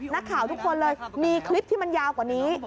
นักข่าวทุกคนเลยมีคลิปที่มันยาวกว่านี้